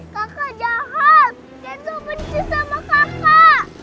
kakak jahat kenzo benci sama kakak